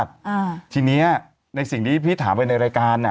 ทีนี้ในสิ่งที่พี่ถามไปในรายการ